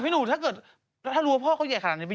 พี่หนูถ้ารู้ว่าพ่อก็ใหญ่แค่เนี้ย